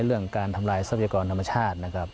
เรื่องการทำลายทรัพยากรธรรมชาตินะครับ